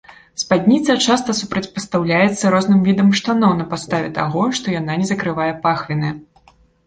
Спадніца часта супрацьпастаўляецца розным відам штаноў на падставе таго, што яна не закрывае пахвіны.